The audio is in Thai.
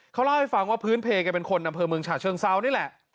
เขาเล่าให้ฟังว่าพื้นเพลแกเป็นคนอำเภอเมืองฉะเชิงเซานี่แหละ